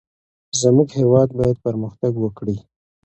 زمونږ هیواد باید پرمختګ وکړي.